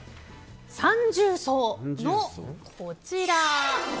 三重奏の、こちら。